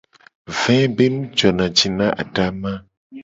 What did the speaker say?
Ve be nu jona ji na adama.